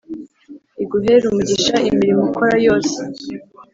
iguhere umugisha imirimo ukora yose